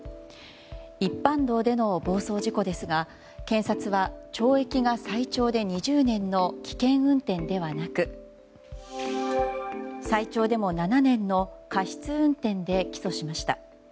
一般道での暴走事故ですが検察は、懲役が最長で２０年の危険運転ではなく最長でも７年の過失運転で起訴しました。